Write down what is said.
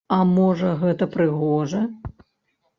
А можа, гэта прыгожа?